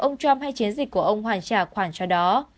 ông trump hay chiến dịch của ông hoàn trả khoản cho đó